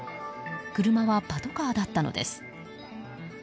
車はパトカーだったのです。